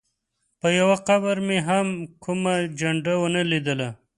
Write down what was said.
پر یوه قبر مې هم کومه جنډه ونه لیدله.